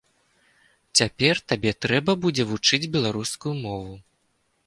Цяпер табе трэба будзе вучыць беларускую мову!